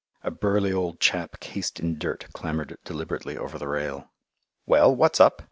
A burly old chap cased in dirt clambered deliberately over the rail. "Well, what's up?"